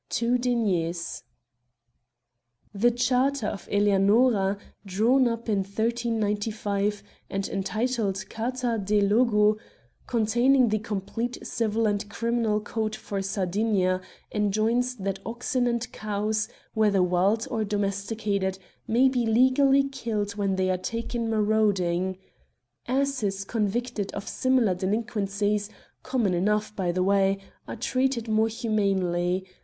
2 deniers The charter of Eleanora, drawn up in 1395, and entitled "Carta de logu," containing the complete civil and criminal code for Sardinia, enjoins that oxen and cows, whether wild or domesticated, may be legally killed when they are taken marauding. Asses convicted of similar delinquencies — common enough, by the way — are treated more humanely.